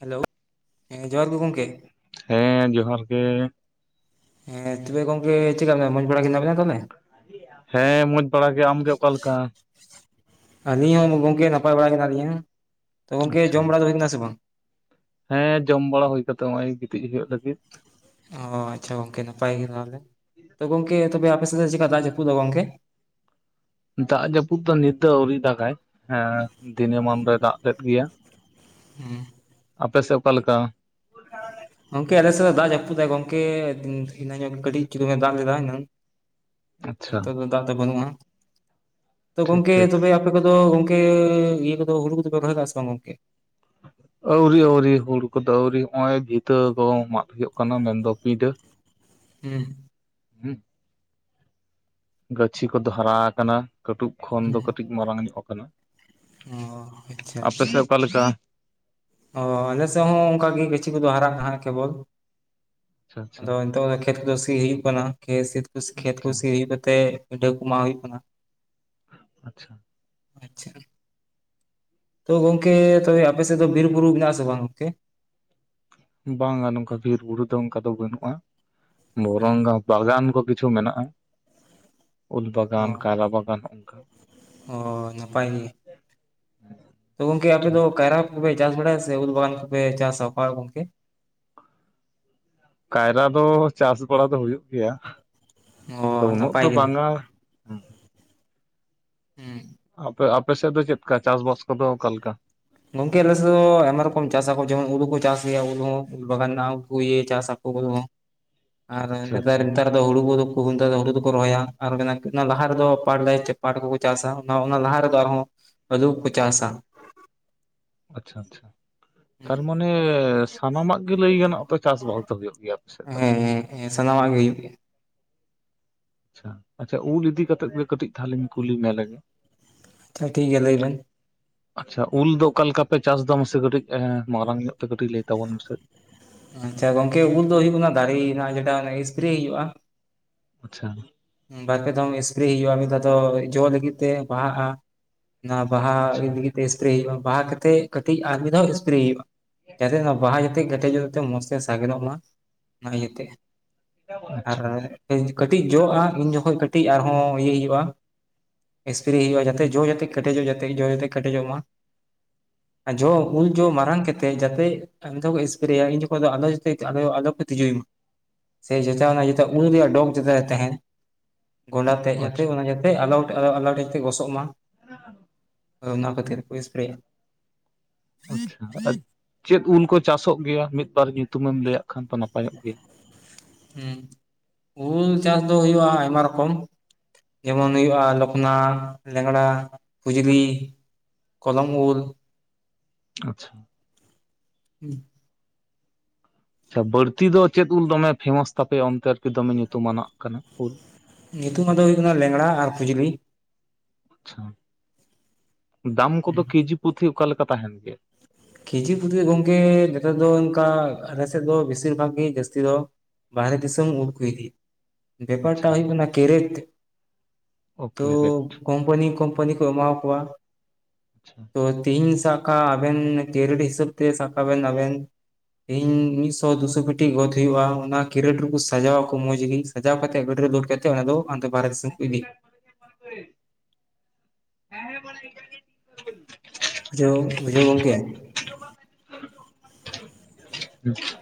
Hello ᱦᱮᱸ ᱡᱚᱦᱟᱨ ᱜᱮ ᱜᱚᱝᱠᱮ ᱾ ᱦᱮᱸ ᱡᱚᱦᱟᱨ ᱜᱮ ᱾ ᱦᱮᱸ ᱛᱚᱵᱮ ᱜᱚᱝᱠᱮ ᱪᱮ ᱠᱟ ᱜᱮ ᱢᱚᱡᱽ ᱵᱟᱲᱟ ᱦᱮᱱᱟᱜ ᱵᱮᱱ ᱛᱮ? ᱦᱮᱸ ᱢᱚᱡᱽ ᱵᱟᱲᱟ ᱜᱮ ᱾ ᱟᱢ ᱜᱮ ᱚᱠᱟ ᱞᱮᱠᱟ? ᱟᱹᱞᱤᱧ ᱦᱚᱸ ᱜᱚᱝᱠᱮ ᱱᱟᱯᱟᱭ ᱵᱟᱲᱟ ᱜᱮ ᱦᱮᱱᱟᱜ ᱞᱤᱧᱟᱹ ᱾ ᱛᱚ ᱜᱚᱝᱠᱮ ᱟᱪᱪᱷᱟ ᱡᱚᱢ ᱵᱟᱲᱟ ᱫᱚ ᱦᱩᱭᱱᱟ ᱥᱮ ᱵᱟᱝ? ᱦᱮᱸ ᱡᱚᱢ ᱵᱟᱲᱟ ᱦᱩᱭ ᱠᱟᱛᱮ ᱦᱚᱜ-ᱚᱭ ᱜᱤᱛᱤᱡ ᱦᱩᱭᱩᱜ ᱞᱟᱹᱜᱤᱫ ᱚ ᱟᱪᱪᱷᱟ ᱜᱚᱝᱠᱮ ᱱᱟᱯᱟᱭ ᱜᱮ ᱛᱟᱦᱚᱞᱮ ᱛᱚ ᱜᱚᱢᱠᱮ ᱛᱚᱵᱮ ᱟᱯᱮ ᱥᱮᱫ ᱪᱮᱠᱟ ᱫᱟᱜ ᱡᱟᱯᱩᱫ ᱜᱚᱢᱠᱮ ᱫᱟᱜ ᱡᱟᱹᱯᱩᱫ ᱫᱚ ᱱᱤᱛᱟᱹ ᱟᱹᱣᱨᱤ ᱫᱟᱜᱟᱭ ᱦᱮᱸ ᱫᱤᱱᱟᱹᱢᱟᱱ ᱫᱚᱭ ᱫᱟᱜ ᱞᱮᱫ ᱜᱮᱭᱟ ᱦᱮᱸ ᱟᱯᱮ ᱥᱮᱫ ᱚᱠᱟᱞᱮᱠᱟ ᱜᱚᱢᱠᱮ ᱟᱞᱮᱥᱮᱫ ᱫᱚ ᱫᱟᱜ ᱡᱟᱯᱩᱫᱟᱭ ᱜᱚᱝᱠᱮ ᱦᱤᱱᱟᱹ ᱧᱚᱜ ᱠᱟᱹᱴᱤᱡ ᱰᱩᱞᱩᱝ ᱮ ᱫᱟᱜ ᱞᱮᱫᱟᱭ ᱮᱱᱟᱝ ᱟᱪᱪᱷᱟ ᱱᱤᱛᱚᱜ ᱫᱚ ᱫᱟᱜ ᱫᱚ ᱵᱟᱹᱱᱩᱜ-ᱟ ᱛᱚ ᱴᱷᱤᱠ ᱜᱚᱝᱠᱮ ᱴᱷᱤᱠ ᱟᱯᱮ ᱠᱚᱫᱚ ᱜᱚᱝᱠᱮ ᱤᱭᱟᱹ ᱠᱚᱫᱚ ᱦᱩᱲᱩ ᱠᱚᱫᱚᱯᱮ ᱨᱚᱦᱚᱭᱫᱟ ᱥᱮ ᱵᱟᱝ ᱜᱚᱝ ᱟᱹᱣᱨᱤ ᱟᱹᱣᱨᱤ ᱦᱩᱲᱩ ᱠᱚᱫᱚ ᱟᱹᱣᱨᱤ ᱦᱚᱜᱼᱚᱭ ᱵᱷᱤᱛᱟᱹ ᱠᱚ ᱢᱟᱜ ᱦᱩᱭᱩᱜ ᱠᱟᱱᱟ ᱢᱮᱱᱫᱚ ᱯᱤᱰᱟᱹ ᱦᱩᱸ ᱾ ᱦᱩᱸ ᱜᱟᱹᱪᱷᱤ ᱠᱚᱫᱚ ᱦᱟᱨᱟᱣ ᱠᱟᱱᱟ ᱠᱟᱹᱴᱩᱵ ᱠᱷᱚᱱ ᱫᱚ ᱦᱩᱸ ᱠᱟᱹᱴᱤᱡ ᱢᱟᱨᱟᱝ ᱧᱚᱜ ᱟᱠᱟᱱᱟ ᱚ ᱟᱪᱪᱷᱟ ᱟᱯᱮ ᱟᱪᱪᱷᱟ ᱥᱮᱫ ᱚᱠᱟ ᱞᱮᱠᱟ ᱚ ᱟᱞᱮ ᱥᱮᱫ ᱦᱚᱸ ᱚᱱᱠᱟ ᱜᱤ ᱜᱟᱹᱪᱷᱤ ᱠᱚᱫᱚ ᱦᱟᱨᱟᱜ ᱠᱟᱦᱟᱸ ᱠᱮᱵᱚᱞ ᱟᱪᱪᱷᱟ ᱟᱪᱪᱷᱟ ᱟᱫᱚ ᱠᱷᱮᱛ ᱠᱚ ᱥᱤ ᱦᱤᱭᱩᱜ ᱠᱟᱱᱟ ᱠᱷᱮᱛ [unintelligible] ᱠᱷᱮᱛ ᱠᱚ ᱟᱪᱪᱷᱟ ᱥᱤ ᱦᱩᱭ ᱠᱟᱛᱮ ᱯᱤᱰᱟᱹ ᱠᱚ ᱡᱟᱜ ᱦᱩᱭᱩᱜ ᱠᱟᱱᱟ [inaudible] ᱟᱪᱪᱷᱟ ᱛᱚ ᱜᱚᱝᱠᱮ ᱛᱚᱵᱮ ᱟᱯᱮ ᱥᱮ ᱫᱚ ᱵᱤᱨ ᱵᱩᱨᱩ ᱢᱮᱱᱟᱜ ᱟᱥᱮ ᱵᱟᱝ ᱜᱚᱝᱠᱮ ᱵᱟᱝᱟ ᱱᱚᱝᱠᱟ ᱵᱤᱨ ᱵᱩᱨᱩ ᱫᱚ ᱚᱱᱠᱟ ᱫᱚ ᱵᱟᱹᱱᱩᱜᱼᱟ ᱦᱩᱸ ᱵᱚᱨᱚᱝ ᱵᱟᱜᱟᱱ ᱠᱚ ᱠᱤᱪᱷᱩ ᱢᱮᱱᱟᱜᱼᱟ ᱩᱞ ᱚ ᱵᱟᱜᱟᱱ ᱠᱟᱭᱨᱟ ᱵᱟᱜᱟᱱ ᱦᱚᱜ-ᱚᱱᱠᱟ ᱚ ᱱᱟᱯᱟᱭ ᱜᱮ [inaudible] ᱛᱚ ᱜᱚᱝᱠᱮ ᱟᱯᱮ ᱫᱚ ᱠᱟᱭᱨᱟ ᱠᱚᱯᱮ ᱪᱟᱥ ᱵᱟᱲᱟᱭᱟ ᱥᱮ ᱩᱞ ᱵᱟᱜᱟᱱ ᱠᱚᱯᱮ ᱪᱟᱥᱟ ᱚᱠᱟ ᱜᱚᱝᱠᱮ ᱠᱟᱭᱨᱟ ᱫᱚ ᱪᱟᱥ ᱵᱟᱲᱟ ᱫᱚ ᱦᱩᱭᱩᱜ ᱜᱮᱭᱟ ᱚ ᱫᱚ ᱩᱱᱟᱹᱜ ᱱᱟᱯᱟᱭ ᱫᱚ ᱜᱮ ᱦᱩᱸ ᱵᱟᱝᱟ ᱦᱮᱸ ᱟᱯᱮ ᱟᱯᱮᱥᱮᱫ ᱫᱚ ᱪᱮᱫᱠᱟ ᱪᱟᱥᱵᱟᱥ ᱠᱚᱫᱚ ᱚᱠᱟᱞᱮᱠᱟ ᱜᱚᱝᱠᱮ ᱟᱞᱮᱥᱮᱫ ᱫᱚ ᱟᱭᱢᱟ ᱨᱚᱠᱚᱢ ᱪᱟᱥᱟᱠᱚ ᱡᱮᱢᱚᱱ ᱩᱞᱩ ᱠᱚ ᱪᱟᱥ ᱜᱮᱭᱟ ᱩᱞ ᱦᱚᱸ ᱵᱟᱜᱟᱱ ᱱᱟᱜ ᱩᱱᱠᱩ ᱤᱭᱮ ᱪᱟᱥᱟᱠᱚ ᱠᱚᱫᱚ ᱟᱨ ᱟᱪᱪᱷᱟ ᱟᱪᱪᱷᱟ ᱱᱮᱛᱟᱨ ᱟᱫᱚ ᱦᱩᱲᱩ ᱠᱩᱫᱩ ᱠᱩ ᱚᱱᱛᱮ ᱫᱚ ᱦᱩᱲᱩ ᱫᱚᱠᱚ ᱨᱚᱦᱚᱭᱟ ᱟᱨ ᱚᱱᱮ ᱚᱱᱟ ᱞᱟᱦᱟ ᱨᱮᱫᱚ ᱯᱟᱴ ᱞᱮ ᱪᱟ ᱯᱟᱴ ᱠᱩᱠᱩ ᱪᱟᱥᱟ ᱚᱱᱟ ᱚᱱᱟ ᱞᱟᱦᱟ ᱨᱮᱫᱚ ᱟᱨᱦᱚᱸ ᱟᱹᱞᱩᱠᱚ ᱪᱟᱥᱟ ᱟᱪᱪᱷᱟ ᱟᱪᱪᱷᱟ ᱛᱟᱨᱢᱟᱱᱮ ᱥᱟᱱᱟᱢᱟᱜ ᱜᱤ ᱞᱟᱹᱭ ᱜᱟᱱᱚᱜᱼᱟ ᱛᱚ ᱪᱟᱥᱵᱟᱥ ᱫᱚ ᱦᱩᱭᱩᱜ ᱜᱮᱭᱟ ᱟᱯᱮᱥᱮᱫ ᱫᱚ ᱦᱮᱸ ᱦᱮᱸ ᱦᱮᱸ ᱥᱟᱱᱟᱢᱟᱜ ᱜᱮ ᱦᱩᱭᱩᱜ ᱜᱮᱭᱟ ᱟᱪᱪᱷᱟ ᱟᱪᱪᱷᱟ ᱩᱞ ᱤᱫᱤ ᱠᱟᱛᱮᱫ ᱜᱮ ᱠᱟᱹᱴᱤᱡ ᱛᱟᱦᱞᱮᱧ ᱠᱩᱞᱤ ᱢᱮ ᱞᱮ ᱟᱪᱪᱷᱟ [unintelligible] ᱴᱷᱤᱠ ᱜᱮᱭᱟ ᱞᱟᱹᱭ ᱵᱮᱱ ᱾ ᱟᱪᱪᱷᱟ ᱩᱞ ᱫᱚ ᱚᱠᱟ ᱞᱮᱠᱟ ᱯᱮ ᱪᱟᱥ ᱫᱟ ᱢᱟᱥᱮ ᱠᱟᱹᱴᱤᱡ ᱢᱟᱨᱟᱝ ᱧᱚᱜ ᱛᱮ ᱠᱟᱹᱴᱤᱡ ᱞᱟᱹᱭ ᱛᱟᱵᱚᱱ ᱢᱮ ᱥᱮ ᱟᱪᱪᱷᱟ ᱜᱚᱝᱠᱮ ᱩᱞ ᱫᱚ ᱦᱩᱭᱩᱜ ᱠᱟᱱᱟ ᱫᱟᱨᱮ ᱱᱟᱜ ᱡᱮᱴᱟ ᱮᱥᱯᱨᱮ ᱦᱩᱭᱩᱜᱼᱟ᱾ ᱟᱪᱪᱷᱟ ᱵᱟᱨᱯᱮ ᱫᱷᱚᱢ ᱮᱥᱯᱨᱮ ᱦᱤᱭᱳᱜᱼᱟ ᱢᱤᱫ ᱫᱷᱟ ᱫᱚ ᱡᱚ ᱞᱟᱹᱜᱤᱜ ᱛᱮ ᱵᱟᱦᱟᱜᱼᱟ᱾ ᱚᱱᱟ ᱵᱟᱦᱟ ᱟᱪᱪᱷᱟ ᱞᱟᱹᱜᱤᱫ ᱜᱤᱫ ᱛᱮ ᱮᱥᱯᱨᱮ ᱦᱩᱭᱩᱜᱼᱟ ᱵᱟᱦᱟ ᱠᱮᱛᱮᱜ ᱠᱟᱹᱴᱤᱡ ᱟᱨ ᱢᱤᱫ ᱫᱷᱟᱣ ᱮᱥᱯᱨᱮᱭ ᱦᱩᱭᱩᱜᱼᱟ᱾ ᱡᱟᱛᱮᱜ ᱚᱱᱟ ᱵᱟᱦᱟ ᱡᱟᱛᱮᱜ ᱠᱮᱴᱮᱡᱚᱜ ᱛᱮ ᱢᱚᱥ ᱛᱮ ᱥᱟᱜᱮᱱᱚᱜ ᱢᱟ ᱚᱱᱟ ᱤᱭᱟᱹᱛᱮ ᱟᱨ ᱟᱪᱪᱷᱟ ᱠᱟᱹᱴᱤᱡ ᱡᱚᱜᱼᱟ ᱤᱱ ᱡᱚᱠᱷᱚᱡ ᱠᱟᱹᱴᱤᱡ ᱟᱨᱦᱚᱸ ᱤᱭᱟᱹᱭ ᱦᱩᱭᱩᱜᱼᱟ᱾ ᱮᱥᱯᱨᱮ ᱦᱩᱭᱩᱜ-ᱟ ᱡᱟᱛᱮ ᱡᱚ ᱡᱟᱛᱮ ᱠᱮᱴᱮᱡᱚᱜ ᱡᱟᱛᱮ ᱡᱚ ᱡᱟᱛᱮ ᱠᱮᱴᱮᱡᱚᱜ ᱢᱟ ᱟᱨ ᱡᱚ ᱩᱞ ᱡᱚ ᱢᱟᱨᱟᱝ ᱠᱮᱛᱮᱡ ᱡᱟᱛᱮ ᱟᱨ ᱢᱤᱫᱫᱷᱟᱣ ᱮᱥᱯᱨᱮᱭᱟ ᱤᱱ ᱡᱚᱠᱷᱚᱱ ᱫᱚ ᱟᱞᱚ ᱟᱞᱚ ᱡᱟᱛᱮ ᱛᱤᱡᱩᱭ ᱢᱟ᱾ ᱥᱮ ᱡᱮᱪᱟ ᱚᱱᱟ ᱡᱮᱪᱟ ᱩᱞ ᱨᱮᱭᱟᱜ ᱰᱚᱜᱽ ᱡᱮᱛᱮ ᱛᱟᱦᱮᱸ ᱜᱚᱸᱰᱟ ᱛᱮᱜ ᱡᱟᱛᱮ ᱟᱪᱪᱷᱟ ᱚᱱᱟ ᱡᱟᱛᱮ ᱟᱞᱚ ᱟᱞᱚᱣ ᱜᱚᱥᱚᱜ ᱢᱟ᱾ [inaudible] ᱚᱱᱟ ᱠᱷᱟᱹᱛᱤᱨ ᱠᱚ ᱥᱯᱨᱮᱭᱟ᱾ ᱟᱪᱪᱷᱟ ᱟᱨ ᱪᱮᱫ ᱩᱞ ᱠᱚ ᱪᱟᱥᱚᱜ ᱜᱮᱭᱟ ᱢᱤᱫᱵᱟᱨ ᱧᱩᱛᱩᱢᱮᱢ ᱞᱟᱹᱭᱟᱜ ᱠᱷᱟᱱ ᱫᱚ ᱱᱟᱯᱟᱭᱚᱜ ᱜᱮᱭᱟ? ᱦᱮᱸ ᱩᱞ ᱪᱟᱥ ᱫᱚ ᱦᱩᱭᱩᱜᱼᱟ ᱟᱭᱢᱟ ᱨᱚᱠᱚᱢ ᱡᱮᱢᱚᱱ ᱦᱩᱭᱩᱜᱼᱟ ᱞᱚᱠ ᱠᱚᱱᱟ, ᱞᱮᱸᱜᱲᱟ, ᱯᱷᱩᱡᱞᱤ, ᱠᱚᱞᱚᱢ ᱩᱞ᱾ ᱟᱪᱪᱷᱟ ᱦᱩᱸ ᱟᱪᱷᱟ ᱵᱟᱹᱲᱛᱤ ᱫᱚ ᱪᱮᱫ ᱩᱞ ᱫᱚᱢᱮ ᱯᱷᱮᱢᱟᱥ ᱛᱟᱯᱮᱭᱟ ᱚᱱᱛᱮ ᱟᱨᱠᱤ ᱫᱚᱢᱮ ᱧᱩᱛᱩ ᱢᱟᱱᱟᱜ ᱠᱟᱱᱟ ᱩᱞ? ᱧᱩᱛᱩᱢ ᱟᱫᱚ ᱦᱳᱭᱳᱜ ᱠᱟᱱᱟ ᱞᱮᱝᱲᱟ ᱟᱨ ᱯᱷᱩᱡᱽᱞᱤ᱾ ᱟᱪᱷᱟ ᱫᱟᱢ ᱠᱚᱫᱚ ᱠᱮᱡᱤ ᱯᱩᱛᱷᱮ ᱚᱠᱟ ᱞᱮᱠᱟ ᱛᱟᱦᱮᱱ ᱜᱮᱭᱟ? ᱠᱤᱡᱤ ᱯᱩᱛᱤ ᱜᱚᱝᱠᱮ ᱱᱮᱛᱟᱨ ᱫᱚ ᱚᱝᱠᱟ ᱟᱞᱮ ᱥᱮᱫ ᱫᱚ ᱵᱮᱥᱤᱨ ᱵᱷᱟᱜᱽ ᱜᱮ ᱡᱟᱹᱥᱛᱤ ᱫᱚ ᱵᱟᱦᱨᱮ ᱫᱤᱥᱚᱢ ᱩᱞᱩᱠ ᱤᱫᱤ ᱵᱮᱯᱟᱨ ᱟᱪᱪᱷᱟ ᱴᱟᱜ ᱦᱩᱭᱩᱜ ᱠᱟᱱᱟ ᱠᱮᱨᱮᱛᱷ ᱳᱠᱮ ᱛᱚ ᱨᱮᱴ ᱠᱚᱢᱯᱟᱱᱤ ᱠᱚᱢᱯᱟᱱᱤ ᱠᱚ ᱮᱢᱟᱣ ᱠᱚᱣᱟ ᱟᱪᱪᱷᱟ ᱛᱚ ᱛᱤᱦᱤᱧ ᱥᱟᱵ ᱠᱟᱜ ᱟᱵᱮᱱ ᱠᱮᱨᱮᱰ ᱦᱤᱥᱟᱹᱵ ᱛᱮ ᱥᱟᱠᱟᱜ ᱵᱮᱱ ᱟᱵᱮᱱ ᱤᱧ ᱢᱤᱫ ᱥᱚ ᱫᱩᱥᱚ ᱠᱷᱩᱴᱤ ᱜᱚᱫ ᱦᱩᱭᱩᱜᱼᱟ ᱚᱱᱟ ᱠᱷᱤᱨᱮᱰ ᱨᱮᱠᱚ ᱥᱟᱡᱟᱣ ᱟᱠᱚ ᱢᱚᱸᱡᱽ ᱜᱮ᱾ ᱥᱟᱡᱟᱣ ᱠᱟᱛᱮᱜ ᱜᱟᱹᱰ ᱨᱮ ᱜᱞᱳᱰ ᱠᱟᱛᱮᱫ ᱚᱱᱟ ᱫᱚ ᱦᱟᱱᱛᱮ ᱵᱟᱨᱦᱮ ᱫᱤᱥᱚᱢ ᱠᱚ ᱤᱫᱤ [inaudible] ᱵᱩᱡᱷᱟᱹᱣ ᱵᱩᱡᱷᱟᱹᱣ ᱜᱚᱝᱠᱮ᱾ [inaudible]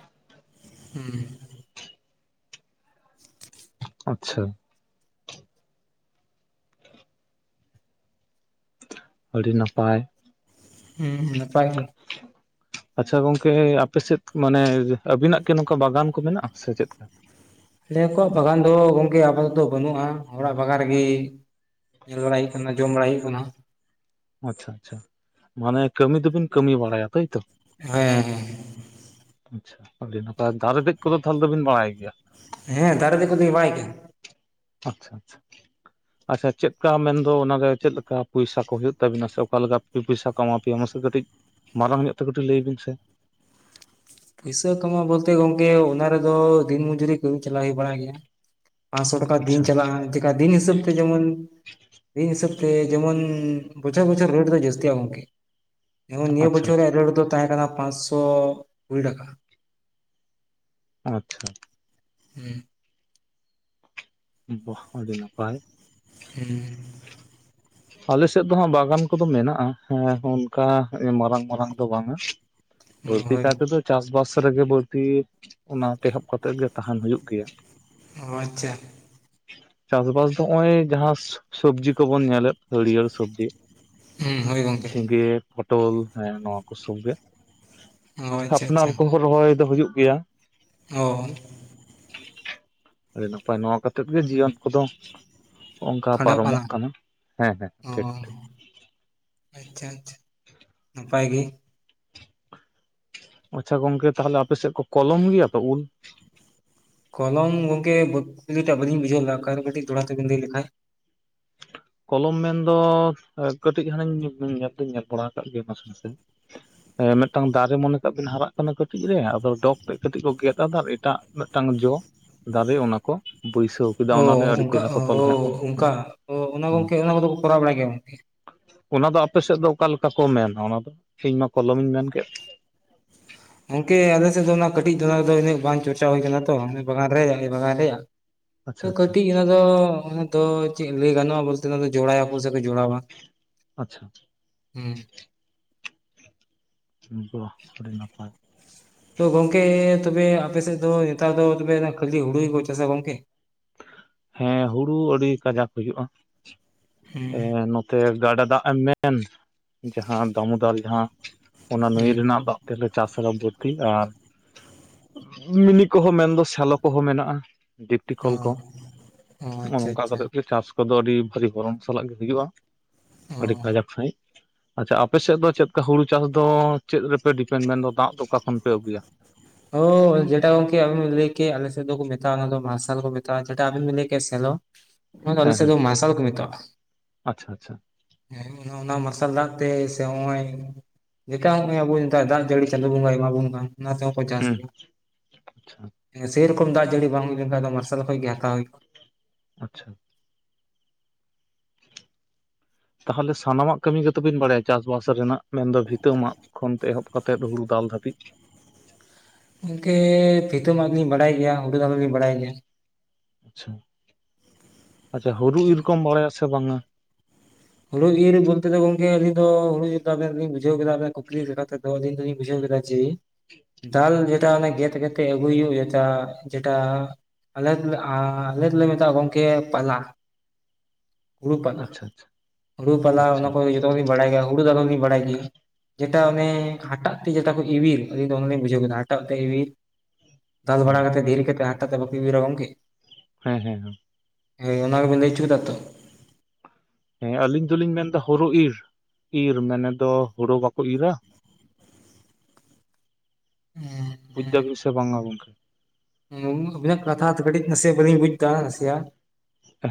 ᱦᱩᱸ ᱟᱪᱪᱷᱟ ᱟᱹᱰᱤ ᱱᱟᱯᱟᱭ᱾ ᱩᱸ ᱱᱟᱯᱟᱭ ᱜᱮ᱾ ᱟᱪᱪᱷᱟ ᱜᱚᱝᱠᱮ ᱟᱯᱮ ᱥᱮᱫ ᱢᱟᱱᱮ ᱟᱵᱤᱱᱟᱜ ᱠᱤ ᱱᱚᱝᱠᱟ ᱵᱟᱜᱟᱱ ᱠᱚ ᱢᱮᱱᱟᱜᱼᱟ ᱥᱮ ᱪᱮᱫ ᱠᱟ? ᱟᱞᱮ ᱠᱚᱣᱟᱜ ᱵᱟᱜᱟᱱ ᱫᱚ ᱜᱚᱝᱠᱮ ᱟᱯᱟᱛᱚᱛᱚ ᱵᱟᱹᱱᱩᱜᱼᱟ ᱚᱲᱟᱜ ᱵᱟᱜᱟᱱ ᱨᱮ ᱜᱮ ᱧᱮᱞ ᱵᱟᱲᱟᱭ ᱦᱩᱭᱩᱜ ᱠᱟᱱᱟ ᱡᱚᱢ ᱵᱟᱲᱟᱭ ᱦᱩᱭᱩᱜ ᱠᱟᱱᱟ᱾ ᱟᱪᱪᱷᱟ ᱟᱪᱪᱷᱟ ᱢᱟᱱᱮ ᱠᱟᱹᱢᱤ ᱫᱚ ᱵᱤᱱ ᱠᱟᱹᱢᱤ ᱵᱟᱲᱟᱭᱟ ᱛᱟᱹᱭ ᱛᱚ? ᱦᱮᱸ ᱟᱪᱪᱷᱟ ᱟᱹᱰᱤ ᱱᱟᱯᱟᱭ ᱫᱟᱨᱮ ᱫᱮᱡ ᱠᱚᱫᱚ ᱛᱟᱦᱞᱮ ᱫᱚᱵᱤᱱ ᱵᱟᱲᱟᱭ ᱜᱮᱭᱟ? ᱦᱮᱸ ᱫᱟᱨᱮ ᱫᱮᱜ ᱠᱚᱫᱚᱧ ᱵᱟᱲᱟᱭ ᱜᱮᱭᱟ᱾ ᱟᱪᱪᱷᱟ ᱟᱪᱪᱷᱟ [inaudible] ᱟᱪᱪᱷᱟ ᱪᱮᱫ ᱠᱟ ᱢᱮᱱ ᱫᱚ ᱚᱱᱟ ᱨᱮ ᱪᱮᱫ ᱞᱮᱠᱟ ᱯᱚᱭᱥᱟ ᱠᱚ ᱦᱩᱭᱩᱜ ᱛᱟᱵᱤ ᱱᱟ ᱥᱮ ᱚᱠᱟ ᱞᱮᱠᱟ ᱯᱚᱭᱥᱟ ᱠᱚ ᱮᱢᱟ ᱯᱮᱭᱟ ᱢᱟᱥᱮ ᱠᱟᱹᱴᱤᱡ ᱢᱟᱨᱟᱝ ᱧᱚᱜ ᱛᱮ ᱠᱟᱹᱴᱤᱡ ᱞᱟᱹᱭ ᱵᱤᱱ ᱥᱮ? ᱯᱩᱭᱥᱟᱹ ᱠᱟᱢᱟᱣ ᱵᱚᱞ ᱛᱮ ᱜᱚᱢᱠᱮ ᱚᱱᱟ ᱨᱮᱫᱚ ᱫᱤᱱ ᱢᱚᱡᱩ ᱨᱤ ᱠᱟᱹᱢᱤ ᱪᱟᱞᱟᱣ ᱦᱩᱭ ᱵᱟᱲᱟᱜ ᱜᱮᱭᱟ᱾ ᱯᱟᱸᱥᱚ ᱴᱟᱠᱟ ᱫᱤᱱ ᱟᱪᱪᱷᱟ ᱪᱟᱞᱟᱜᱼᱟ ᱪᱮᱠᱟ ᱫᱤᱱ ᱦᱤᱥᱟᱹᱵ ᱛᱮ ᱡᱮᱢᱚᱱ ᱫᱤᱱ ᱦᱤᱥᱟᱹᱵ ᱛᱮ ᱡᱮᱢᱚᱱ ᱵᱚᱪᱷᱚᱨ ᱵᱚᱪᱷᱚᱨ ᱨᱮᱰ ᱫᱚ ᱡᱟᱹᱥᱛᱤ ᱟ ᱜᱚᱝᱠᱮ᱾ ᱡᱮᱢᱚᱱ ᱱᱤᱭᱟᱹ ᱟᱪᱪᱷᱟ ᱵᱚᱪᱷᱚᱨ ᱨᱮᱭᱟᱜ ᱨᱮᱰ ᱫᱚ ᱛᱟᱦᱮᱸ ᱠᱟᱱᱟ ᱯᱟᱸᱥᱥᱚ ᱠᱩᱲᱤ ᱴᱟᱠᱟ᱾ ᱟᱪᱪᱷᱟ ᱦᱮᱸ ᱵᱟᱦ ᱟᱹᱰᱤ ᱱᱟᱯᱟᱭ᱾ ᱦᱮᱸ ᱟᱞᱮ ᱥᱮᱫ ᱫᱚ ᱦᱜ ᱵᱟᱜᱟᱱ ᱠᱚᱫᱚ ᱢᱮᱱᱟᱜᱼᱟ, ᱮ ᱚᱱᱠᱟ ᱢᱟᱨᱟᱝ ᱢᱟᱨᱟᱝ ᱫᱚ ᱵᱟᱝᱼᱟ᱾ [inaudible] ᱵᱟᱹᱲᱛᱤ ᱠᱟᱭ ᱛᱮᱫᱚ ᱪᱟᱥ ᱵᱟᱥ ᱨᱮ ᱜᱮ ᱵᱟᱹᱲᱛᱤ ᱚᱱᱟ ᱛᱮᱦᱚᱵ ᱠᱟᱛᱮᱫ ᱜᱮ ᱛᱟᱦᱮᱱ ᱦᱩᱭᱩᱜ ᱜᱮᱭᱟ᱾ ᱚ ᱟᱪᱪᱷᱟ ᱪᱟᱥ ᱵᱟᱥ ᱫᱚ ᱱᱚᱜᱼᱚᱭ ᱡᱟᱦᱟᱸ ᱥᱚᱵᱡᱤ ᱠᱚᱵᱚᱱ ᱧᱮᱞᱮᱫ ᱦᱟᱹᱨᱭᱟᱹᱲ ᱥᱚᱵᱡᱤ᱾ ᱦᱩᱸ ᱦᱳᱭ ᱜᱚᱝᱠᱮ ᱡᱷᱤᱸᱜᱟᱹ ᱯᱚᱴᱚᱞ ᱦᱮᱸ ᱱᱚᱣᱟ ᱠᱚ ᱥᱚᱵ ᱜᱮ᱾ ᱚ ᱟᱪᱪᱷᱟ ᱟᱯᱱᱟᱨ ᱟᱪᱪᱷᱟ ᱠᱚ ᱦᱚᱸ ᱨᱚᱦᱚᱭ ᱫᱚ ᱦᱩᱭᱩᱜ ᱜᱮᱭᱟ᱾ ᱚ ᱟᱹᱰᱤ ᱱᱟᱯᱟᱭ ᱱᱚᱣᱟ ᱠᱟᱛᱮ ᱜᱮ ᱡᱤᱭᱚᱱ ᱠᱚᱫᱚ, ᱱᱚᱝᱠᱟ ᱯᱟᱨᱚ ᱢᱚᱜ ᱠᱟᱱᱟ ᱦᱮᱸ ᱦᱮᱸ ᱚ ᱴᱷᱤᱠ ᱴᱷᱤᱠ᱾ ᱟᱪᱪᱷᱟ ᱟᱪᱪᱷᱟ ᱱᱟᱯᱟᱭ ᱜᱮ᱾ ᱟᱪᱪᱷᱟ ᱜᱚᱝᱠᱮ ᱛᱟᱦᱚ ᱞᱮ ᱟᱯᱮ ᱥᱮᱫ ᱠᱚ ᱠᱚᱞᱚᱢ ᱜᱮᱭᱟ ᱠᱚ ᱩᱞ? ᱠᱚᱞᱚᱢ ᱜᱚᱝᱠᱮ [unintelligible] ᱴᱟᱜ ᱵᱟᱹᱞᱤᱧ ᱵᱩᱡᱷᱟᱹᱣ ᱞᱮᱫ ᱟᱨ ᱠᱟᱹᱴᱤᱡ ᱫᱚᱦᱲᱟ ᱛᱮᱵᱮᱱ ᱞᱟᱹᱭ ᱞᱮᱠᱷᱟᱡ᱾ ᱠᱚᱞᱚᱢ ᱢᱮᱱᱫᱚ ᱠᱟᱹᱴᱤᱡ ᱦᱟᱱᱤᱧ ᱧᱮᱞ ᱫᱚᱧ ᱧᱮᱞ ᱵᱟᱲᱟ ᱟᱠᱟᱫ ᱜᱮᱭᱟ ᱱᱟᱥᱮ ᱱᱟᱥᱮ᱾ ᱢᱤᱫᱴᱟᱝ ᱫᱟᱨᱮ ᱢᱚᱱᱮ ᱠᱟᱜ ᱵᱤᱱ ᱦᱟᱨᱟᱜ ᱠᱟᱱᱟ ᱠᱟᱹᱴᱤᱡ ᱨᱮ᱾ ᱟᱫᱚ ᱰᱚᱜᱽ ᱛᱮ ᱠᱟᱹᱴᱤᱡ ᱠᱚ ᱜᱮᱫ ᱟᱫᱟ ᱟᱨ ᱮᱴᱟᱜ ᱢᱤᱫᱴᱟᱝ ᱡᱚ ᱫᱟᱨᱮ ᱚᱱᱟ ᱠᱚ ᱵᱟᱹᱭᱥᱟᱹᱣ ᱠᱮᱫᱟ ᱚ ᱚᱱᱟᱨᱮ ᱟᱹᱰᱤ ᱚᱱᱠᱟ ᱪᱮᱦᱨᱟ ᱠᱚ ᱛᱚᱞ ᱚ ᱠᱮᱫ ᱚᱱᱠᱟ ᱚᱱᱟ ᱜᱚᱝᱠᱮ ᱚᱱᱟ ᱠᱚᱫᱚ ᱠᱚ ᱠᱚᱨᱟᱣ ᱵᱟᱲᱟᱭ ᱜᱮᱭᱟ ᱜᱚᱝᱠᱮ᱾ ᱚᱱᱟ ᱫᱚ ᱟᱯᱮ ᱥᱮᱫ ᱫᱚ ᱚᱠᱟᱞᱮᱠᱟ ᱠᱚ ᱢᱮᱱᱟ᱾ ᱚᱱᱟ ᱫᱚ ᱤᱧᱢᱟ ᱠᱚᱞᱚᱢ ᱤᱧ ᱢᱮᱱ ᱠᱮᱫ᱾ ᱜᱚᱝᱠᱮ ᱟᱞᱮ ᱥᱮᱫ ᱫᱚ ᱚᱱᱟ ᱠᱟᱹᱴᱤᱡ ᱫᱚᱫᱚ ᱩᱱᱟᱹ ᱵᱟᱝ ᱪᱚᱨᱪᱟ ᱦᱩᱭ ᱠᱟᱱᱟ ᱛᱚ᱾ ᱵᱟᱜᱟᱱ ᱨᱮ ᱟᱞᱮ ᱵᱟᱜᱟᱱ ᱨᱮᱭᱟᱜ ᱟᱪᱪᱷᱟ ᱟᱪᱪᱷᱟ ᱠᱟᱹᱴᱤᱡ ᱚᱱᱟ ᱫᱚ ᱚᱱᱟ ᱫᱚ ᱪᱮᱫ ᱞᱟᱹᱭ ᱜᱟᱱᱚᱜᱼᱟ ᱵᱚᱞᱛᱮ ᱡᱳᱲᱟᱭ ᱟᱠᱚ ᱥᱮ ᱡᱳᱲᱣᱟ ᱟᱪᱪᱷᱟ ᱦᱮᱸ ᱵᱟᱦ ᱟᱹᱰᱤ ᱱᱟᱯᱟᱭ ᱛᱚ ᱜᱚᱝᱠᱮ ᱛᱚᱵᱮ ᱟᱯᱮ ᱥᱮᱫ ᱫᱚ ᱱᱮᱛᱟᱨ ᱫᱚ ᱠᱷᱟᱹᱞᱤ ᱦᱩᱲᱩ ᱜᱮᱠᱚ ᱪᱟᱥᱟ ᱜᱚᱝᱠᱮ? ᱦᱮᱸ ᱦᱩᱲᱩ ᱟᱹᱰᱤ ᱠᱟᱡᱟᱠ ᱦᱩᱭᱩᱜᱼᱟ᱾ ᱮ ᱦᱩᱸ ᱱᱚ ᱛᱮ ᱜᱟᱰᱟ ᱫᱟᱜ ᱮᱢ ᱢᱮᱱ, ᱡᱟᱦᱟᱸ ᱫᱟᱹᱢᱩᱫᱚᱨ ᱡᱟᱦᱟᱸ ᱚᱱᱟ ᱱᱟᱹᱭ ᱦᱩᱸ ᱨᱮᱱᱟᱜ ᱫᱟᱜ ᱛᱮᱞᱮ ᱪᱟᱥ ᱟᱢ ᱡᱟᱹᱛᱤ ᱟᱨ ᱢᱤᱱᱤ ᱠᱚᱦᱚᱸ ᱢᱮᱱᱫᱚ ᱥᱮᱞᱚ ᱠᱚᱦᱚᱸ ᱢᱮᱱᱟᱜᱼᱟ᱾ ᱰᱤᱯᱴᱤ ᱚ ᱠᱚᱞ ᱠᱚ ᱚ ᱱᱚᱜ ᱟᱪᱪᱷᱟ ᱱᱚᱝᱠᱟ ᱟᱪᱪᱷᱟ ᱠᱟᱛᱮᱜ ᱜᱮ ᱪᱟᱥ ᱠᱚᱫᱚ ᱟᱹᱰᱤ ᱵᱷᱟᱹᱜᱤ ᱵᱚᱨᱚᱱ ᱥᱟᱞᱟᱜ ᱜᱮ ᱦᱩᱭᱩᱜᱼᱟ᱾ ᱟᱹᱰᱤ ᱚ ᱠᱟᱡᱟᱠ ᱥᱟᱺᱦᱤᱡ ᱟᱪᱪᱷᱟ ᱟᱯᱮᱥᱮᱫ ᱫᱚ ᱪᱮᱫ ᱞᱮᱠᱟ ᱦᱩᱲᱩ ᱪᱟᱥ ᱫᱚ? ᱪᱮᱫ ᱨᱮᱯᱮ ᱰᱤᱯᱮᱱᱰ ᱢᱮᱱᱫᱚ ᱫᱟᱜ ᱫᱚ ᱚᱠᱟ ᱠᱷᱚᱱ ᱯᱮ ᱟᱹᱜᱩᱭᱟ? ᱦᱳᱭ ᱡᱮᱴᱟ ᱜᱚᱝᱠᱮ ᱟᱵᱮᱱ ᱵᱤᱱ ᱞᱟᱹᱭ ᱠᱮᱫ ᱟᱞᱮᱥᱮᱫ ᱫᱚᱠᱚ ᱢᱮᱛᱟᱜᱼᱟ, ᱚᱱᱟ ᱫᱚ ᱢᱟᱨᱥᱟᱞ ᱠᱚ ᱢᱮᱛᱟᱜᱼᱟ ᱾ᱡᱮᱴᱟ ᱟᱵᱮᱱ ᱵᱤᱱ ᱞᱟᱹᱭ ᱠᱮᱫᱟ ᱥᱮᱞᱚ᱾ ᱱᱚᱣᱟ ᱫᱚ ᱟᱞᱮ ᱦᱮᱸ ᱥᱮᱫ ᱦᱮᱸ ᱫᱚ ᱢᱟᱨᱥᱟᱞ ᱠᱚ ᱢᱮᱛᱟᱜᱼᱟ᱾ ᱟᱪᱪᱷᱟ ᱟᱪᱪᱷᱟ ᱦᱮᱸ ᱚᱱᱟ ᱢᱟᱨᱥᱟᱞ ᱫᱟᱜ ᱛᱮ ᱥᱮ ᱱᱚᱜᱼᱚᱭ ᱡᱮᱠᱟ ᱱᱚᱜᱼᱚᱭ ᱟᱵᱚᱱ ᱫᱟᱜ ᱡᱟᱹᱲᱤ ᱪᱟᱸᱫᱳ ᱵᱚᱸᱜᱟᱭ ᱮᱢᱟᱵᱚᱱ ᱠᱟᱱ᱾ ᱚᱱᱟ ᱪᱟᱥ ᱦᱩᱸ ᱜᱮᱭᱟ, ᱟᱪᱪᱷᱟ ᱥᱮᱨᱚᱠᱚᱢ ᱫᱟᱜ ᱡᱟᱹᱲᱤ ᱵᱟᱝ ᱦᱩᱭ ᱞᱮᱱᱠᱷᱟᱱ ᱢᱟᱨᱥᱟᱞ ᱠᱷᱚᱱ ᱜᱮ ᱦᱟᱛᱟᱣ ᱦᱩᱭᱩᱜᱼᱟ᱾ ᱟᱪᱪᱷᱟ ᱛᱟᱦᱚᱞᱮ ᱥᱟᱱᱟᱢᱟᱜ ᱠᱟᱹᱢᱤ ᱜᱮᱛᱚᱵᱤᱱ ᱵᱟᱲᱟᱭᱟ᱾ ᱪᱟᱥᱵᱟᱥ ᱨᱮᱱᱟᱜ ᱢᱮᱱᱫᱚ ᱵᱷᱤᱛᱟᱹ ᱢᱟᱜ ᱠᱷᱚᱱᱛᱮ ᱮᱦᱚᱵ ᱠᱟᱛᱮᱫ ᱦᱩᱲᱩ ᱫᱟᱞ ᱫᱷᱟᱹᱵᱤᱡ, ᱜᱚᱝᱠᱮ ᱵᱷᱤᱛᱟᱹ ᱢᱟᱜ ᱞᱤᱧ ᱵᱟᱲᱟᱭ ᱜᱮᱭᱟ, ᱦᱩᱲᱩ ᱫᱟᱞ ᱦᱚᱞᱤᱧ ᱵᱟᱲᱟᱭ ᱜᱮᱭᱟ᱾ ᱟᱪᱪᱷᱟ ᱟᱪᱪᱷᱟ ᱦᱩᱲᱩ ᱤᱨᱚᱠᱚᱢ ᱵᱟᱲᱟᱭᱟ ᱥᱮ ᱵᱟᱝᱼᱟ? ᱦᱩᱲᱩ ᱤᱨ ᱵᱚᱞᱛᱮ ᱫᱚ ᱜᱚᱝᱠᱮ ᱟᱹᱞᱤᱧ ᱫᱚ ᱦᱩᱲᱩ ᱤᱨ [unintelligible] ᱵᱩᱡᱷᱟᱹᱣ ᱠᱮᱫᱟ ᱵᱮᱱ ᱠᱩᱠᱞᱤ ᱞᱮᱠᱟ ᱛᱮᱫᱚ ᱞᱤᱧ ᱫᱚᱞᱤᱧ ᱵᱩᱡᱷᱟᱹᱣ ᱠᱮᱫᱟ᱾ ᱡᱮ ᱫᱟᱞ ᱡᱮᱴᱟ ᱜᱮᱫ ᱠᱟᱛᱮᱫ ᱟᱹᱜᱩᱭ ᱦᱩᱭᱩᱜ᱾ ᱡᱮᱴᱟ ᱡᱮᱴᱟ ᱟᱞᱮ ᱫᱚᱞᱮ ᱟᱞᱮ ᱫᱚᱞᱮ ᱢᱮᱛᱟᱜᱼᱟ ᱜᱚᱝᱠᱮ ᱯᱟᱞᱟ ᱦᱩᱲᱩ ᱯᱟᱞᱟ᱾ ᱟᱪᱪᱷᱟ ᱟᱪᱪᱷᱟ ᱦᱩᱲᱩ ᱯᱟᱞᱟ ᱟᱪᱪᱷᱟ ᱚᱱᱟ ᱠᱚ ᱡᱚᱛᱚ ᱜᱮᱞᱤᱧ ᱵᱟᱲᱟᱭ ᱜᱮᱭᱟ᱾ ᱦᱩᱲᱩ ᱫᱟᱞ ᱫᱚᱞᱤᱧ ᱵᱟᱲᱟᱭ ᱜᱮᱭᱟ᱾ ᱡᱮᱴᱟ ᱚᱱᱮ ᱦᱟᱴᱟᱜ ᱛᱮ ᱡᱮᱴᱟ ᱠᱚ ᱤᱣᱤᱨ ᱟᱞᱤᱧ ᱫᱚᱢ ᱞᱤᱧ ᱵᱩᱡᱷᱟᱹᱣ ᱠᱮᱫᱟ ᱦᱟᱴᱟᱜ ᱛᱮ ᱤᱣᱤᱨ᱾ ᱫᱟᱞ ᱚ ᱵᱟᱲᱟ ᱠᱟᱛᱮ ᱫᱷᱤᱨᱤ ᱠᱟᱛᱮ ᱦᱟᱴᱟᱜ ᱛᱮ ᱵᱟᱯᱮ ᱤᱣᱤᱨ-ᱟ ᱜᱚᱝᱠᱮ᱾ ᱦᱮᱸ ᱦᱮᱸ ᱦᱮᱸ ᱦᱮᱸ ᱚᱱᱟ ᱜᱮᱵᱮᱱ ᱞᱟᱹᱭ ᱚᱪᱚᱭᱮᱫᱟ ᱛᱚ? ᱦᱮᱸ ᱟᱞᱤᱧ ᱫᱚᱞᱤᱧ ᱢᱮᱱ ᱫᱟ ᱦᱳᱲᱳ ᱤᱨ, ᱤᱨ ᱢᱮᱱᱮᱫ ᱫᱚ ᱦᱳᱲᱳ ᱵᱟᱠᱚ ᱤᱨᱟ? ᱦᱮᱸ [unintelligible] ᱵᱩᱡ ᱫᱟᱹᱵᱤᱱ ᱥᱮ ᱵᱟᱝᱟ ᱜᱚᱢᱠᱮ? ᱟᱵᱤᱱᱟᱜ ᱠᱟᱛᱷᱟ ᱫᱚ ᱠᱟᱹᱴᱤᱡ ᱱᱟᱥᱮᱭᱟᱜ ᱵᱟᱹᱞᱤᱧ ᱵᱩᱡ ᱫᱟ ᱱᱟᱥᱮᱭᱟᱜ᱾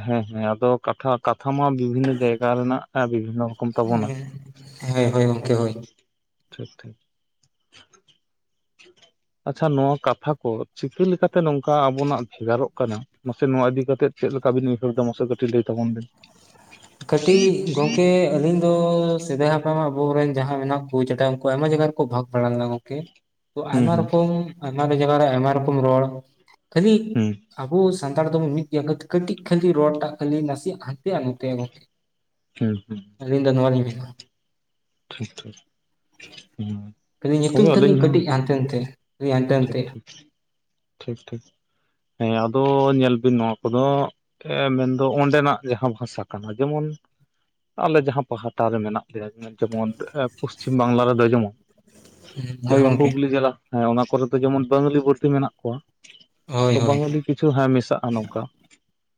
ᱦᱮᱸ ᱦᱮᱸ ᱟᱫᱚ ᱠᱟᱛᱷᱟ ᱠᱟᱛᱷᱟ ᱢᱟ ᱵᱤᱵᱷᱤᱱᱱᱚ ᱡᱟᱭᱜᱟ ᱨᱮᱱᱟᱜ ᱵᱤᱵᱷᱤᱱᱱᱚ ᱠᱟᱱ ᱛᱟᱵᱚᱱᱟ ᱦᱳᱭ ᱦᱳᱭ ᱜᱚᱝᱠᱮ ᱚᱱᱠᱟ ᱦᱳᱭ ᱴᱷᱤᱠ ᱴᱷᱤᱠ [unintelligible] ᱟᱪᱪᱷᱟ ᱱᱚᱣᱟ ᱠᱟᱛᱷᱟ ᱠᱚ ᱪᱤᱠᱟᱹ ᱞᱮᱠᱟᱛᱮ ᱱᱚᱝᱠᱟ ᱟᱵᱚᱱᱟᱜ ᱵᱷᱮᱜᱟᱨᱚᱜ ᱠᱟᱱᱟ? ᱢᱟᱥᱮ ᱱᱚᱣᱟ ᱤᱫᱤ ᱠᱟᱛᱮᱫ ᱪᱮᱫ ᱞᱮᱠᱟ ᱵᱤᱱ ᱩᱭᱦᱟᱹᱨ ᱮᱫᱟ? ᱢᱟᱥᱮ ᱠᱟᱹᱴᱤᱡ ᱞᱟᱹᱭ ᱛᱟᱵᱚᱱ ᱵᱤᱱ᱾ ᱠᱟᱹᱴᱤᱡ ᱜᱚᱝ ᱠᱮ ᱟᱹᱞᱤᱧ ᱫᱚ ᱥᱮᱫᱟᱭ ᱦᱟᱯᱲᱟᱢ ᱟᱵᱚᱨᱮᱱ ᱡᱟᱦᱟᱸᱭ ᱢᱮᱱᱟᱜ ᱠᱚ ᱪᱮᱛᱟ ᱩᱱᱠᱩ ᱟᱭᱢᱟ ᱡᱟᱭᱜᱟ ᱨᱮᱠᱚ ᱵᱷᱟᱜᱽ ᱵᱟᱲᱟ ᱞᱮᱱᱟ᱾ ᱛᱚ ᱦᱩᱸ ᱟᱭᱢᱟ ᱦᱩᱸ ᱨᱚᱠᱚᱢ ᱟᱭᱢᱟ [unintelligible] ᱡᱟᱭᱜᱟ ᱨᱮ ᱟᱭᱢᱟ ᱨᱚᱠᱚᱢ ᱨᱚᱲ ᱠᱷᱟᱹᱞᱤ ᱦᱩᱸ ᱟᱵᱚ ᱥᱟᱱᱛᱟᱲ ᱫᱚᱵᱚᱱ ᱢᱤᱫ ᱜᱮᱭᱟ᱾ ᱠᱟᱹᱴᱤᱡ ᱠᱷᱟᱹᱞᱤ ᱨᱚᱲ ᱴᱟᱜ ᱠᱷᱟᱹᱞᱤ ᱱᱟᱥᱮᱭᱟᱜ ᱦᱟᱱᱛᱮᱭᱟᱜ [unintelligible] ᱛᱮ ᱜᱚᱝᱠᱮ ᱦᱩᱸ ᱦᱩᱸ ᱟᱞᱤᱧ ᱫᱚ ᱱᱚᱣᱟ ᱞᱤᱧ ᱢᱮᱱᱟ᱾ ᱴᱷᱤᱠ ᱴᱷᱤᱠ, ᱦᱩᱸ ᱠᱷᱟᱹᱞᱤ ᱧᱩᱛᱩᱢ ᱛᱚᱵᱮ ᱠᱷᱟᱹᱞᱤ ᱟᱹᱞᱤᱧ ᱦᱚᱸ, ᱠᱟᱹᱴᱤᱡ ᱦᱟᱱᱛᱮ ᱱᱟᱛᱮ ᱠᱷᱟᱹᱞᱤ ᱦᱟᱱᱛᱮ ᱴᱷᱤᱠ ᱱᱟᱛᱮ ᱴᱷᱤᱠ, ᱴᱷᱤᱠ ᱴᱷᱤᱠ ᱦᱮᱸ ᱟᱫᱚ ᱧᱮᱞ ᱵᱮᱱ ᱱᱚᱣᱟ ᱠᱚᱫᱚ ᱢᱮᱱᱫᱚ ᱚᱸᱰᱮᱱᱟᱜ ᱡᱟᱦᱟᱸ ᱵᱷᱟᱥᱟ ᱠᱟᱱᱟ ᱡᱮᱢᱚᱱ ᱟᱞᱮ ᱡᱟᱦᱟᱸ ᱯᱟᱦᱴᱟ ᱨᱮ ᱢᱮᱱᱟᱜ ᱞᱮᱭᱟ ᱢᱮᱱ ᱡᱮᱢᱚᱱ ᱯᱚᱥᱪᱤᱢ ᱵᱟᱝᱞᱟ ᱨᱮᱫᱚ ᱡᱮᱢᱚᱱ ᱦᱳᱭ ᱡᱟᱦᱟᱸ ᱜᱚᱝᱠᱮ ᱦᱩᱜᱽᱞᱤ ᱡᱮᱞᱟ ᱦᱮᱸ ᱚᱱᱟ ᱠᱚᱨᱮ ᱫᱚ ᱡᱮᱢᱚᱱ ᱵᱟᱝᱜᱟᱞᱤ ᱵᱟᱹᱲᱛᱤ ᱢᱮᱱᱟᱜ ᱠᱚᱣᱟ, ᱦᱳᱭ ᱛᱚ ᱦᱳᱭ ᱵᱟᱝᱜᱟᱞᱤ ᱠᱤᱪᱷᱩ ᱦᱮᱸ ᱢᱮᱥᱟᱜᱼᱟ ᱱᱚᱝᱠᱟ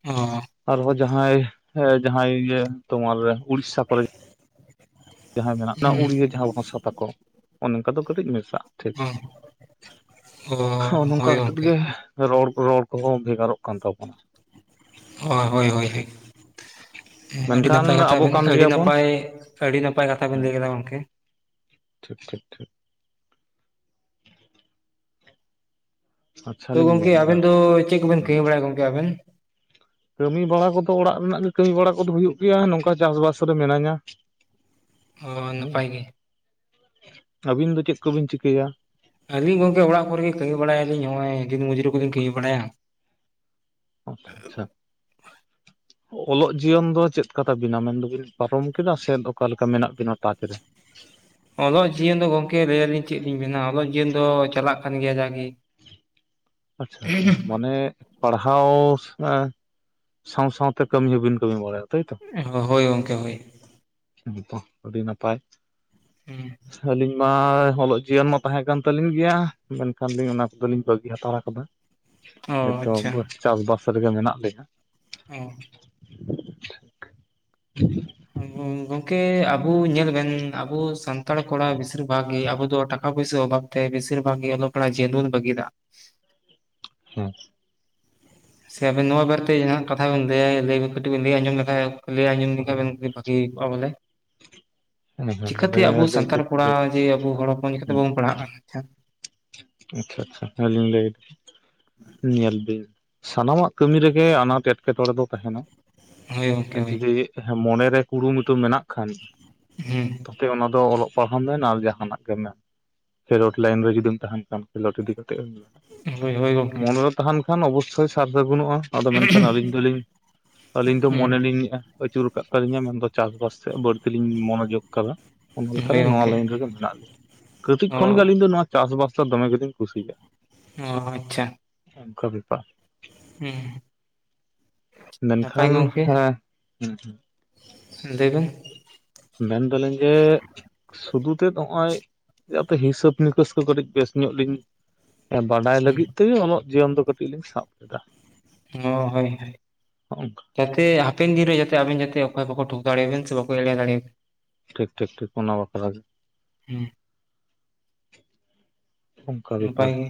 ᱚ ᱟᱨᱦᱚᱸ ᱡᱟᱦᱟᱸᱭ ᱡᱟᱦᱟᱸᱭ ᱤᱭᱟᱹ ᱛᱳᱢᱟᱨ ᱳᱲᱤᱥᱟ ᱠᱚᱨᱮ, [inaudible] ᱡᱟᱦᱟᱸᱭ ᱢᱮᱱᱟᱜ ᱦᱩᱸ ᱳᱲᱤᱭᱟᱹ ᱡᱟᱦᱟᱸ ᱵᱷᱟᱥᱟ ᱛᱟᱠᱚ ᱚᱱᱮ ᱚᱝᱠᱟ ᱫᱚ ᱠᱟᱹᱴᱤᱡ ᱢᱮᱥᱟᱜᱼᱟ ᱾ ᱴᱷᱤᱠ ᱚ ᱚ ᱦᱚᱸ ᱱᱚᱝᱠᱟ ᱦᱳᱭ ᱠᱟ ᱠᱟᱛᱮᱫ ᱜᱚᱝᱠᱮ ᱜᱮ ᱨᱚᱲ ᱨᱚᱲ ᱠᱚᱦᱚᱸ ᱵᱷᱮᱜᱟᱨᱚᱜ ᱠᱟᱱ ᱛᱟᱵᱚᱱᱟ ᱾ ᱚ ᱦᱳᱭ ᱦᱳᱭ ᱦᱳᱭ ᱟᱹᱰᱤ ᱢᱮᱱᱠᱷᱟᱱ ᱱᱟᱯᱟᱭ ᱠᱟᱛᱷᱟ ᱟᱵᱚ ᱵᱮᱱ ᱠᱟᱱ ᱟᱹᱰᱤ ᱜᱮᱭᱟᱵᱚᱱ ᱱᱟᱯᱟᱭ ᱟᱹᱰᱤ ᱱᱟᱯᱟᱭ ᱠᱟᱛᱷᱟ ᱵᱮᱱ ᱞᱟᱹᱭ ᱠᱮᱫᱟ ᱜᱚᱢᱠᱮ ᱾ ᱴᱷᱤᱠ ᱴᱷᱤᱠ ᱴᱷᱤᱠ ᱟᱪᱪᱷᱟ ᱛᱚ ᱞᱤᱧ ᱜᱚᱢᱠᱮ ᱟᱵᱮᱱ ᱢᱮᱱᱫᱟ ᱫᱚ ᱪᱮᱫ ᱠᱚᱵᱮᱱ ᱠᱟᱹᱢᱤ ᱵᱟᱲᱟᱭᱟ ᱜᱚᱢᱠᱮ ᱟᱵᱮᱱ? ᱠᱟᱹᱢᱤ ᱵᱟᱲᱟ ᱠᱚᱫᱚ ᱚᱲᱟᱜ ᱨᱮᱱᱟᱜ ᱜᱮ ᱠᱟᱹᱢᱤ ᱵᱟᱲᱟ ᱠᱚᱫᱚ ᱦᱩᱭᱩᱜ ᱜᱮᱭᱟ ᱱᱚᱝᱠᱟ ᱪᱟᱥ ᱵᱟᱥ ᱨᱮ ᱢᱤᱱᱟᱹᱧᱟ ᱾ ᱦᱳᱭ ᱱᱟᱯᱟᱭ ᱜᱮ ᱾ ᱟᱹᱵᱤᱱ ᱫᱚ ᱪᱮᱫ ᱠᱚᱵᱤᱱ ᱪᱤᱠᱟᱹᱭᱟ? ᱟᱹᱞᱤᱧ ᱜᱚᱢᱠᱮ ᱚᱲᱟᱜ ᱠᱚᱨᱮᱜ ᱜᱮ ᱠᱟᱹᱢᱤ ᱵᱟᱲᱟᱭᱟᱞᱤᱧ ᱱᱚᱜᱼᱚᱭ ᱫᱤᱱ ᱢᱚᱡᱩᱨᱤ ᱠᱚᱞᱤᱧ ᱠᱟᱹᱢᱤ ᱵᱟᱲᱟᱭᱟ ᱾ ᱟᱪᱪᱷᱟ ᱟᱪᱪᱷᱟ [inaudible] ᱚᱞᱚᱜ ᱡᱤᱭᱚᱱ ᱫᱚ ᱪᱮᱫᱠᱟ ᱛᱟᱵᱤᱱᱟ ᱢᱮᱱ ᱫᱚᱵᱤᱱ ᱯᱟᱨᱚᱢ ᱠᱮᱫᱟ ᱥᱮ ᱚᱠᱟ ᱞᱮᱠᱟ ᱢᱮᱱᱟᱜ ᱵᱤᱱᱟ ᱴᱟᱪ ᱨᱮ? ᱚᱞᱚᱜ ᱡᱤᱭᱚᱱ ᱫᱚ ᱜᱚᱢᱠᱮ ᱞᱟᱹᱭᱟᱞᱤᱧ ᱪᱮᱫ ᱞᱤᱧ ᱢᱮᱱᱟ ᱚᱞᱚᱜ ᱡᱤᱭᱚᱱ ᱫᱚ ᱪᱟᱞᱟᱜ ᱠᱟᱱ ᱜᱮᱭᱟ ᱡᱟᱜᱮ ᱾ [inaudible] ᱟᱪᱪᱷᱟ ᱟᱪᱪᱷᱟ ᱢᱟᱱᱮ ᱯᱟᱲᱦᱟᱣ ᱥᱟᱶ ᱥᱟᱶᱛᱮ ᱠᱟᱹᱢᱤ ᱦᱚᱸᱵᱮᱱ ᱠᱟᱹᱢᱤ ᱵᱟᱲᱟᱭᱟ ᱾ ᱦᱳᱭ ᱜᱚᱢᱠᱮ ᱦᱳᱭ ᱾ ᱦᱮᱸ ᱛᱚ ᱟᱹᱰᱤ ᱱᱟᱯᱟᱭ ᱦᱩᱸ ᱟᱹᱞᱤᱧ ᱢᱟ ᱚᱞᱚᱜ ᱡᱤᱭᱚᱱ ᱢᱟ ᱛᱟᱦᱮᱸᱠᱟᱱ ᱛᱟᱹᱞᱤᱧ ᱜᱮᱭᱟ ᱢᱮᱱᱠᱷᱟᱱ ᱞᱤᱧ ᱚᱱᱟ ᱠᱚᱫᱚᱞᱤᱧ ᱵᱟᱹᱜᱤ ᱦᱟᱛᱟᱲ ᱟᱠ ᱠᱟᱫᱟ ᱚ ᱱᱤᱛ ᱫᱚ ᱟᱪᱪᱷᱟ ᱵᱟᱸᱫᱽ ᱪᱟᱥᱼᱵᱟᱥ ᱨᱮᱜᱮ ᱢᱮᱱᱟᱜ ᱞᱮᱭᱟ ᱾ ᱦᱮᱸ ᱦᱩ ᱦᱩ ᱜᱚᱢᱜᱮ ᱟᱵᱩ ᱧᱮᱞᱵᱮᱱ ᱟᱵᱚ ᱥᱟᱱᱛᱟᱲ ᱠᱚᱲᱟ ᱵᱤᱥᱤᱨ ᱵᱷᱟᱜᱽ ᱜᱮ ᱟᱵᱚ ᱫᱚ ᱴᱟᱠᱟ ᱯᱩᱭᱥᱟᱹ ᱚᱵᱷᱟᱵ ᱛᱮ ᱵᱤᱥᱤᱨ ᱵᱷᱟᱜᱽ ᱜᱮ ᱚᱞᱚᱜ ᱯᱟᱲᱦᱟᱜ ᱡᱤᱭᱚᱱ ᱵᱟᱹᱜᱤ ᱫᱟᱜ-ᱟ ᱦᱮᱸ ᱥᱮ ᱟᱵᱮᱱ ᱱᱚᱣᱟ ᱵᱟᱨᱮᱛᱮ ᱡᱟᱦᱟᱸᱱᱟᱜ ᱠᱟᱛᱷᱟ ᱵᱮᱱ ᱞᱟᱹᱭᱟ ᱥᱮ ᱠᱟᱹᱴᱤᱡ ᱵᱮᱱ ᱞᱟᱹᱭ ᱟᱸᱡᱚᱢ ᱞᱮᱠᱷᱟᱡ ᱞᱟᱹᱭ ᱟᱸᱡᱚᱢ ᱞᱮᱠᱷᱟᱡ ᱵᱮᱱ ᱵᱷᱟᱹᱜᱤ ᱦᱩᱭ ᱠᱚᱜ-ᱟ ᱵᱚᱞᱮ ᱦᱮᱸ ᱦᱮᱸ ᱪᱤᱠᱟᱹᱛᱮ ᱵᱚᱞᱮ ᱟᱵᱚ ᱞᱟᱹᱭ ᱥᱟᱱᱛᱟᱲ ᱫᱚᱞᱤᱧ ᱠᱚᱲᱟ ᱞᱟᱹᱭᱟ ᱡᱮ ᱟᱵᱚ ᱦᱚᱲ ᱦᱚᱯᱚᱱ ᱪᱮᱠᱟᱛᱮ ᱦᱮᱸ ᱵᱟᱵᱚᱱ ᱯᱟᱲᱦᱟᱜ-ᱟ ᱟᱪᱪᱷᱟ ᱟᱪᱪᱷᱟ ᱟᱹᱞᱤᱧ ᱞᱟᱹᱭ ᱮᱫᱟ ᱧᱮᱞ ᱵᱮᱱ ᱥᱟᱱᱟᱢᱟᱜ ᱠᱟᱹᱢᱤ ᱨᱮᱜᱮ ᱟᱱᱟᱴ ᱮᱴᱠᱮᱴᱚᱬᱮ ᱫᱚ ᱛᱟᱦᱮᱸᱱᱟ ᱦᱳᱭ ᱜᱚᱢᱠᱮ ᱦᱳᱭ ᱡᱩᱫᱤ ᱢᱚᱱᱮᱨᱮ ᱠᱩᱨᱩᱢᱩᱴᱩ ᱢᱮᱱᱟᱜ ᱠᱷᱟᱱ ᱦᱮᱸ ᱛᱟᱛᱮ ᱚᱱᱟ ᱫᱚ ᱚᱞᱚᱜ ᱯᱟᱲᱦᱟᱣ ᱢᱮ ᱟᱨ ᱡᱟᱦᱟᱱᱟᱜ ᱜᱮ ᱢᱮᱱ ᱨᱳᱰ ᱞᱟᱭᱤᱱ ᱨᱮ ᱡᱩᱫᱤ ᱛᱟᱦᱮᱸᱱ ᱠᱷᱟᱱ ᱠᱷᱮᱞᱳᱰ ᱤᱫᱤ ᱠᱟᱛᱮ ᱮᱢ ᱦᱳᱭ ᱦᱳᱭ ᱜᱚᱢᱠᱮ ᱢᱚᱱᱮᱨᱮ ᱛᱟᱦᱮᱸᱱ ᱠᱷᱟᱱ ᱚᱵᱚᱥᱥᱳᱭ ᱥᱟᱨᱫᱟ ᱵᱟᱹᱱᱩᱜ-ᱟ ᱟᱫᱚ ᱢᱮᱱᱠᱷᱟᱱ ᱟᱹᱞᱤᱧ ᱫᱚᱞᱤᱧ ᱟᱹᱞᱤᱧ ᱫᱚ ᱦᱩᱸ ᱢᱚᱱᱮᱞᱤᱧᱮᱫ-ᱟ ᱟᱹᱪᱩᱨ ᱟᱠᱟᱫ ᱛᱟᱹᱞᱤᱧᱟ ᱢᱮᱱᱫᱚ ᱪᱟᱥ ᱵᱟᱥ ᱥᱮᱫ ᱵᱟᱹᱲᱛᱤᱞᱤᱧ ᱢᱚᱱᱚᱡᱳᱜᱽ ᱟᱠᱟᱫᱟ ᱚᱱᱠᱟ ᱫᱚ ᱦᱳᱭ ᱱᱚᱣᱟ ᱜᱚᱢᱠᱮ ᱞᱟᱹᱭᱤᱱ ᱨᱮᱜᱮ ᱢᱮᱱᱟᱜ ᱞᱤᱧᱟ ᱠᱟᱹᱴᱤᱡ ᱚ ᱠᱷᱚᱱᱜᱮ ᱟᱹᱞᱤᱧ ᱫᱚ ᱱᱚᱣᱟ ᱪᱟᱥᱵᱟᱥ ᱫᱚᱢᱮ ᱜᱮᱞᱤᱧ ᱠᱩᱥᱤᱭᱟᱜ-ᱟ ᱚ ᱟᱪᱪᱷᱟ ᱚᱝᱠᱟ ᱵᱮᱯᱟᱨ ᱦᱩᱸ ᱱᱟᱯᱟᱭ ᱢᱮᱱᱠᱷᱟᱱ ᱦᱮᱸ ᱞᱟᱹᱭᱵᱮᱱ ᱢᱮᱱᱫᱟᱞᱤᱧ ᱡᱮ ᱥᱩᱫᱷᱩ ᱛᱮ ᱱᱚᱜ-ᱚᱭ ᱡᱟᱛᱮ ᱦᱤᱥᱟᱹᱵ ᱱᱤᱠᱟᱹᱥ ᱠᱚ ᱠᱟᱹᱴᱤᱡ ᱵᱮᱥ ᱧᱚᱜ ᱞᱤᱧ ᱵᱟᱰᱟᱭ ᱦᱩᱸ ᱞᱟᱹᱜᱤᱫ ᱛᱮᱜᱮ ᱚᱞᱚᱜ ᱡᱤᱭᱚᱱ ᱫᱚ ᱠᱟᱹᱴᱤᱡ ᱞᱤᱧ ᱥᱟᱵ ᱠᱮᱫᱟ ᱦᱚᱸ ᱦᱳᱭ ᱦᱳᱭ ᱡᱟᱛᱮ ᱦᱟᱯᱮᱱ ᱫᱤᱱ ᱨᱮ ᱡᱟᱛᱮ ᱟᱵᱮᱱ ᱡᱟᱛᱮ ᱚᱠᱚᱭ ᱵᱟᱠᱚ ᱛᱳᱜ ᱫᱟᱲᱮ ᱟᱵᱤᱱ ᱥᱮ ᱵᱟᱠᱚ ᱮᱲᱮ ᱫᱟᱲᱮ ᱴᱷᱤᱠ ᱴᱷᱤᱠ ᱴᱷᱤᱠ ᱚᱱᱟ ᱵᱟᱠᱷᱨᱟ ᱜᱮ ᱦᱩᱸ ᱚᱠᱟ ᱱᱟᱯᱟᱭ ᱵᱮᱯᱟᱨ ᱜᱮ